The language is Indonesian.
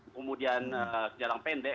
kemudian senjata pendek